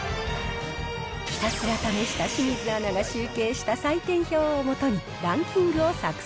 ひたすら試した清水アナが集計した採点表をもとにランキングを作成。